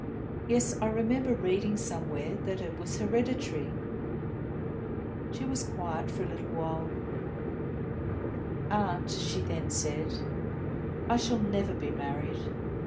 Yes, I remember reading somewhere that it was hereditary." She was quiet for a little. "Aunt," she then said, "I shall never be married.